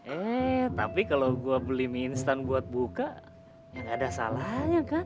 eh tapi kalau saya beli mie instan untuk buka ya tidak ada salahnya kan